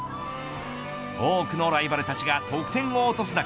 多くのライバルたちが得点を落とす中